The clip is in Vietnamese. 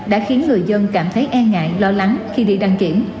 đã khiến người dân cảm thấy e ngại lo lắng khi đi đăng kiểm